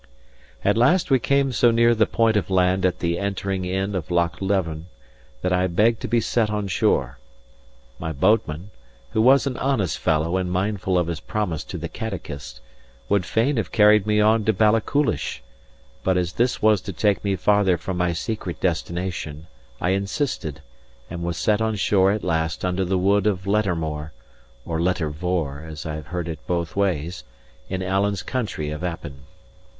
At last we came so near the point of land at the entering in of Loch Leven that I begged to be set on shore. My boatman (who was an honest fellow and mindful of his promise to the catechist) would fain have carried me on to Balachulish; but as this was to take me farther from my secret destination, I insisted, and was set on shore at last under the wood of Lettermore (or Lettervore, for I have heard it both ways) in Alan's country of Appin.